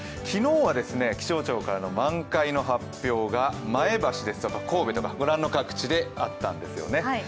昨日は気象庁からの満開の発表が前橋とか神戸とか御覧の各地であったんですよね。